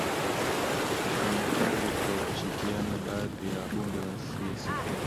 ifanyakazi kwa kushikiana baadhi ya wabunge wa ccm